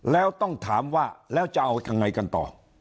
แล้วต้องถามว่าแล้วจะเอายังไงกันต่อ